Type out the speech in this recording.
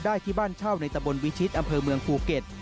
ที่บ้านเช่าในตะบนวิชิตอำเภอเมืองภูเก็ต